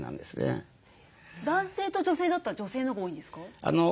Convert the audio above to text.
男性と女性だったら女性のほうが多いんですか？